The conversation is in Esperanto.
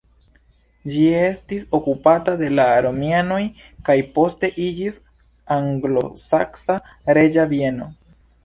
Ĝi estis okupata de la romianoj, kaj poste iĝis anglosaksa reĝa bieno.